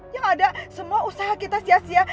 yang ada semua usaha kita sia sia